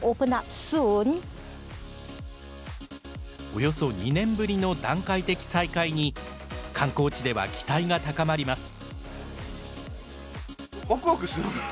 およそ２年ぶりの段階的再開に、観光地では期待が高まります。